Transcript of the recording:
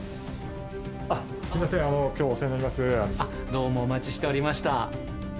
どうもお待ちしておりました。